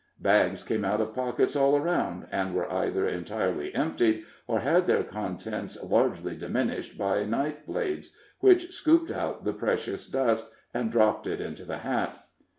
Bags came out of pockets all around, and were either entirely emptied, or had their contents largely diminished by knife blades, which scooped out the precious dust, and dropped it into the hat.